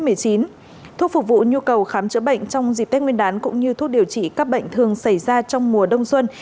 thuốc phục vụ nhu cầu khám chữa bệnh trong dịp tết nguyên đán cũng như thuốc điều trị các bệnh thường xảy ra trong mùa đông xuân